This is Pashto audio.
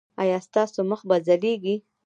ایا ستاسو مخ به ځلیږي؟